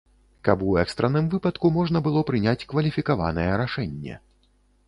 Каб у экстранным выпадку можна было прыняць кваліфікаванае рашэнне.